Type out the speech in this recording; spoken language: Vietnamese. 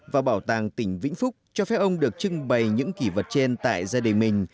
và bảo tàng tỉnh vĩnh phúc cho phép ông được trưng bày những kỷ vật trên tại gia đình mình